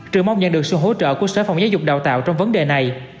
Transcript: trường mong nhận được sự hỗ trợ của sở phòng giáo dục đào tạo trong vấn đề này